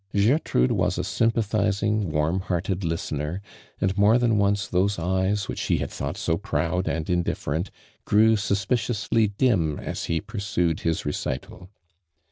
Gertrude was a sympathizing warm heart ed listener, and more than once those eyes which he had thought so proud and indif i'erent grew suspiciously dim as he pursued his recital.